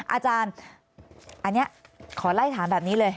อาจารย์อันนี้ขอไล่ถามแบบนี้เลย